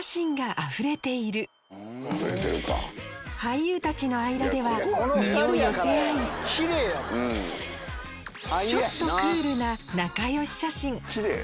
あふれている俳優たちの間では身を寄せ合いちょっとクールな仲良し写真